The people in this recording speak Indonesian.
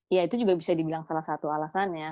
ya itu juga bisa dibilang salah satu alasannya